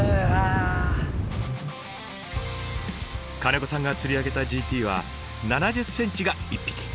金子さんが釣り上げたＧＴは７０ｃｍが１匹。